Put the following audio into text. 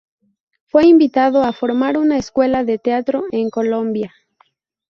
Fue invitado a formar una escuela de teatro en Colombia.